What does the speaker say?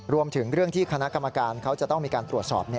รวมถึงเรื่องที่คณะกรรมการเขาจะต้องมีการตรวจสอบ